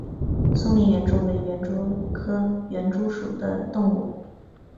松林园蛛为园蛛科园蛛属的动物。